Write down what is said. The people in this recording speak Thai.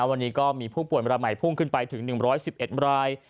วันนี้ก็มีผู้ป่วยเวลาใหม่พุ่งขึ้นไปถึง๑๑๑ราย